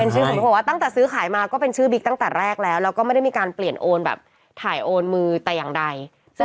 ชื่อสมมุติว่าตั้งแต่ซื้อขายมาก็เป็นชื่อบิ๊กตั้งแต่แรกแล้วแล้วก็ไม่ได้มีการเปลี่ยนโอนแบบถ่ายโอนมือแต่อย่างใด